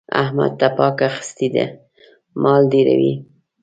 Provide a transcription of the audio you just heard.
احمد تپاک اخيستی دی؛ مال ډېروي.